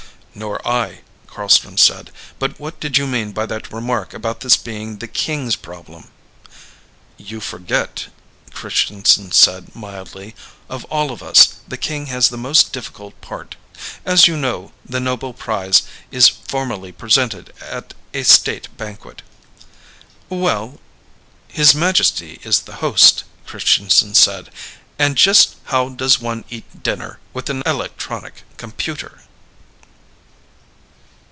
"Nor I," Carlstrom said. "But what did you mean by that remark about this being the king's problem?" "You forget," Christianson said mildly. "Of all of us, the king has the most difficult part. As you know, the Nobel Prize is formally presented at a State banquet." "Well?" "His Majesty is the host," Christianson said. "And just how does one eat dinner with an electronic computer?"